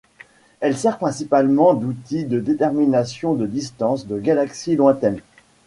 Elle sert principalement d'outil de détermination de distances de galaxies lointaines.